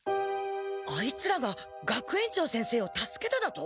あいつらが学園長先生を助けただと？